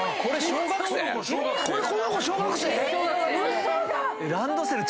この子小学生⁉嘘だ！